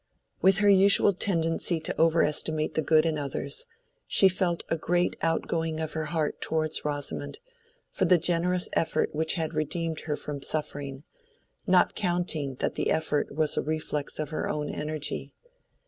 With her usual tendency to over estimate the good in others, she felt a great outgoing of her heart towards Rosamond, for the generous effort which had redeemed her from suffering, not counting that the effort was a reflex of her own energy.